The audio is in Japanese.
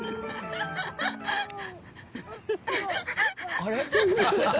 あれ？